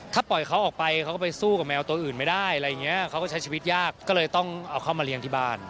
ถ้าปล่อยเขาออกไปเขาก็ไปสู้กับแมวตัวอื่นไม่ได้อะไรอย่างเงี้ยเขาก็ใช้ชีวิตยากก็เลยต้องเอาเข้ามาเลี้ยงที่บ้าน